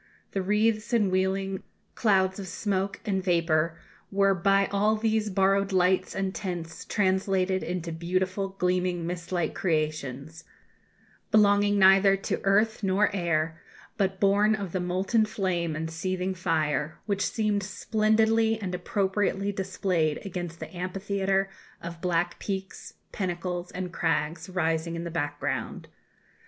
The wreaths and wheeling clouds of smoke and vapour were by all these borrowed lights and tints translated into beautiful gleaming mist like creations belonging neither to earth nor air, but born of the molten flame and seething fire which seemed splendidly and appropriately displayed against the amphitheatre of black peaks, pinnacles, and crags rising in the background.